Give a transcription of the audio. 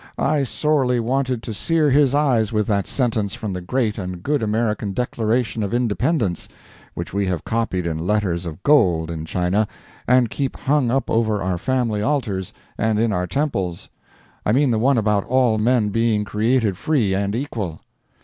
I sorely wanted to sear his eyes with that sentence from the great and good American Declaration of Independence which we have copied in letters of gold in China and keep hung up over our family altars and in our temples—I mean the one about all men being created free and equal.